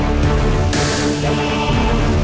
udah udah udah